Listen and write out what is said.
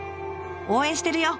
応援してるよ！